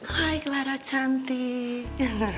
hai clara cantik